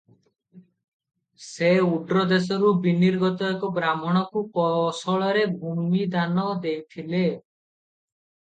ସେ ଓଡ୍ରଦେଶରୁ ବିନିର୍ଗତ ଏକ ବ୍ରାହ୍ମଣକୁ କୋଶଳରେ ଭୂମି ଦାନ ଦେଇଥିଲେ ।